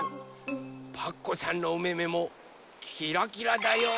パクこさんのおめめもキラキラだよ！